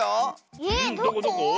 えっどこ？